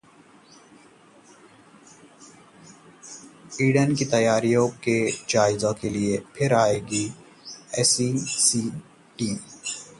Eden की तैयारियों के जायजे के लिए फिर आएगी आईसीसी टीम